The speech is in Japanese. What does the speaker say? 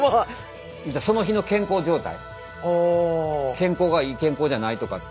健康がいい健康じゃないとかって。